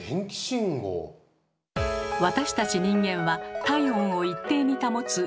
私たち人間は体温を一定に保つ恒温動物。